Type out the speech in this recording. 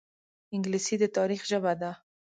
انګلیسي د تاریخ ژبه ده